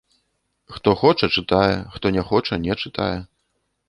Хто хоча чытае хто не хоча не чытае.